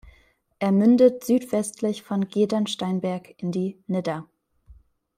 Er mündet südwestlich von Gedern-Steinberg in die "Nidder".